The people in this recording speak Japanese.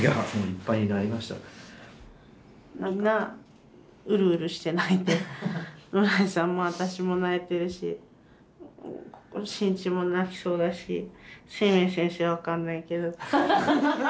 みんなうるうるして泣いて村井さんも私も泣いてるし伸一も泣きそうだしすいめい先生は分かんないけど。